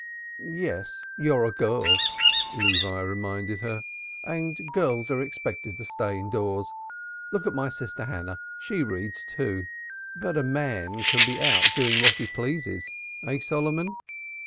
"Yes, you're a girl," Levi reminded her, "and girls are expected to stay indoors. Look at my sister Hannah. She reads, too. But a man can be out doing what he pleases, eh, Solomon?"